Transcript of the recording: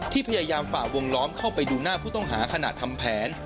พยายามฝ่าวงล้อมเข้าไปดูหน้าผู้ต้องหาขณะทำแผน